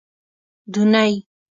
دونۍ